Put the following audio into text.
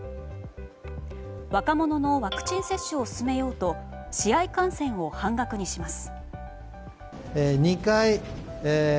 若者のワクチン接種を進めようと試合観戦を半額にします。